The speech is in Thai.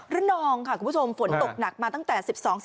นองค่ะคุณผู้ชมฝนตกหนักมาตั้งแต่๑๒๑๔